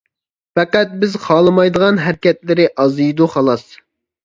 پەقەت بىز خالىمايدىغان ھەرىكەتلىرى ئازىيىدۇ خالاس.